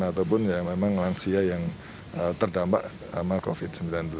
ataupun yang memang langsia yang terdampak covid sembilan belas